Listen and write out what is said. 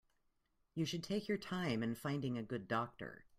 You should take your time in finding a good doctor.